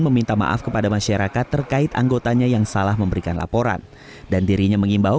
meminta maaf kepada masyarakat terkait anggotanya yang salah memberikan laporan dan dirinya mengimbau